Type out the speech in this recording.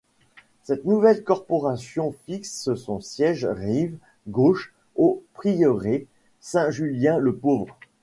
Cette nouvelle coporation fixe son siège rive gauche, au prieuré Saint Julien le Pauvre.